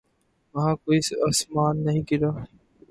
وہاں کوئی آسمان نہیں گرا۔